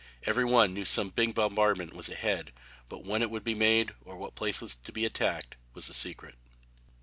Every one knew some big bombardment was ahead but when it would be made or what place was to be attacked was a secret.